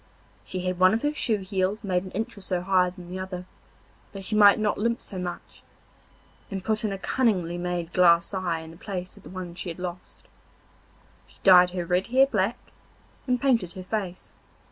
She had one of her shoe heels made an inch or so higher than the other, that she might not limp so much, and put in a cunningly made glass eye in the place of the one she had lost. She dyed her red hair black, and painted her face.